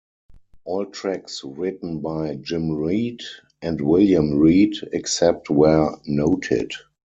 All tracks written by Jim Reid and William Reid, except where noted.